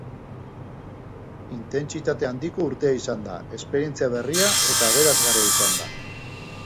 Intentsitate handiko urtea izan da, esperientzia berria eta aberasgarria izan da.